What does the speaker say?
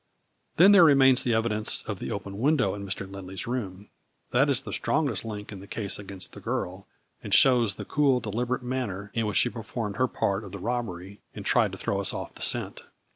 " Then there remains the evidence of the open window in Mr. Lindley's room. That is the strongest link in the case against the girl, and shows the cool, deliberate manner in which she performed her part of the robbery, and tried to throw us off the scent."